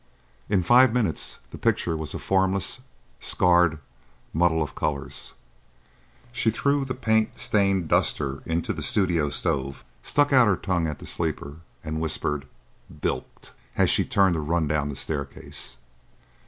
In five minutes the picture was a formless, scarred muddle of colours. She threw the paint stained duster into the studio stove, stuck out her tongue at the sleeper, and whispered, "Bilked!" as she turned to run down the staircase.